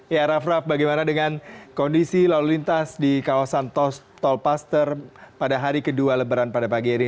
ya raff raff bagaimana dengan kondisi lalu lintas di kawasan tolpaster pada hari kedua lebaran pada pagi ini